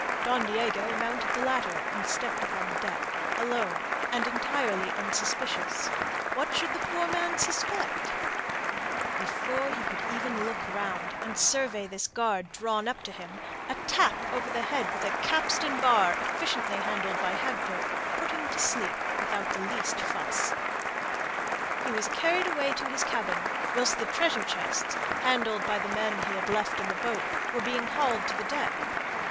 Don Diego mounted the ladder and stepped upon the deck, alone, and entirely unsuspicious. What should the poor man suspect? Before he could even look round, and survey this guard drawn up to receive him, a tap over the head with a capstan bar efficiently handled by Hagthorpe put him to sleep without the least fuss. He was carried away to his cabin, whilst the treasure chests, handled by the men he had left in the boat, were being hauled to the deck.